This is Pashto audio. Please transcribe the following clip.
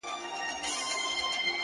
يوې انجلۍ په لوړ اواز كي راته ويــــل ه!